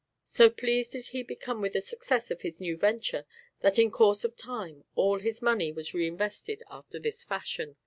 So pleased did he become with the success of his new venture that in course of time all his money was reinvested after this fashion.